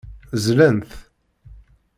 Zlan-t.